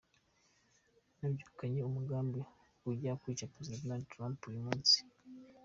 Nabyukanye umugambi wo kujya kwica Perezida Donald Trump uyu munsi.